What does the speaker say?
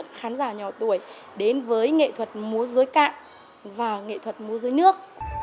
để được khán giả nhỏ tuổi đến với nghệ thuật múa dưới cạn và nghệ thuật múa dưới nước